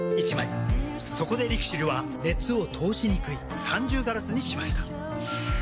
そこでＬＩＸＩＬは熱を通しにくい三重ガラスにしました。